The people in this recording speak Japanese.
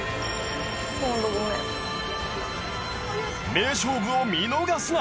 名勝負を見逃すな。